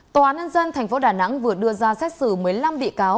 tòa án ân dân tp đà nẵng vừa đưa ra xét xử một mươi năm địa cáo